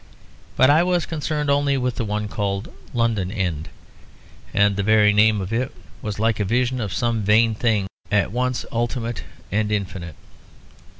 But I was concerned only with the one called London End; and the very name of it was like a vision of some vain thing at once ultimate and infinite.